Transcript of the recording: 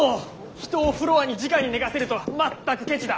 人をフロアにじかに寝かせるとはまったくケチだ。